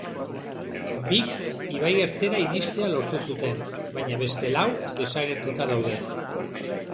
Bik ibaiertzera iristea lortu zuten, baina beste lau desagertuta daude.